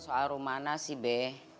soal rumah nasi be